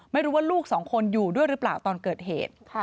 ไม่รู้ว่าลูกสองคนอยู่ด้วยหรือเปล่าตอนเกิดเหตุ